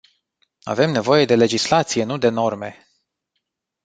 Avem nevoie de legislație, nu de norme.